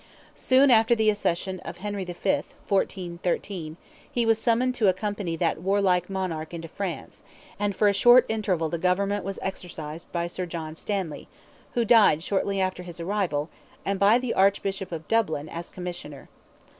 Soon after the accession of Henry V. (1413), he was summoned to accompany that warlike monarch into France, and for a short interval the government was exercised by Sir John Stanley, who died shortly after his arrival, and by the Archbishop of Dublin, as Commissioner.